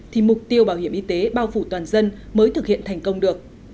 thì mục tiêu bảo hiểm y tế bao phủ toàn dân mới thực hiện thành công được